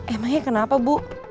emangnya kenapa bu